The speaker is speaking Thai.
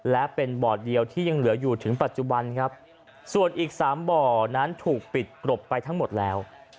และเป็นบ่อเดียวที่ยังเหลืออยู่ถึงปัจจุบันครับส่วนอีกสามบ่อนั้นถูกปิดกรบไปทั้งหมดแล้ว